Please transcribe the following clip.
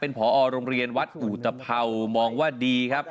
พอโรงเรียนวัดอุตภัวมองว่าดีครับ